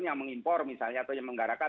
yang mengimpor misalnya atau yang menggarakan